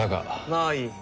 まあいい。